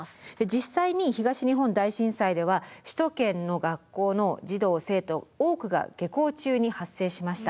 実際に東日本大震災では首都圏の学校の児童生徒多くが下校中に発生しました。